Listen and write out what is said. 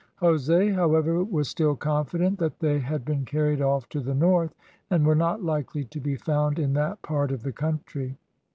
Jose, however, was still confident that they had been carried off to the north, and were not likely to be found in that part of the country.